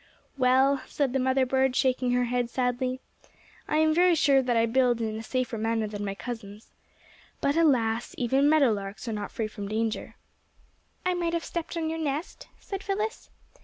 "Well," said the mother bird, shaking her head, sadly, "I am very sure that I build in a safer manner than my cousins. But, alas, even meadow larks are not free from danger." "I might have stepped on your nest?" said Phyllis.